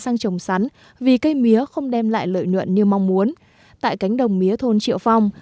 sang trồng sắn vì cây mía không đem lại lợi nhuận như mong muốn tại cánh đồng mía thôn triệu phong